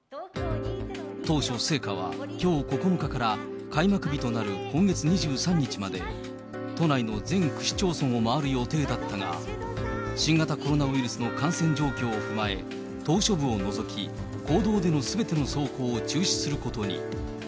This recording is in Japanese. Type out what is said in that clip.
当初、聖火はきょう９日から、開幕日となる今月２３日まで、都内の全区市町村を回る予定だったが、新型コロナウイルスの感染状況を踏まえ、島しょ部を除き、公道でのすべての走行を中止することに。